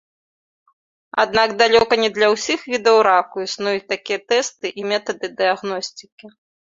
Аднак далёка не для ўсіх відаў раку існуюць такія тэсты і метады дыягностыкі.